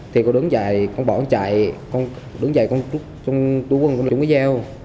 thì con đứng dạy con bỏ con chạy con đứng dạy con trút con trút con đúng cái dao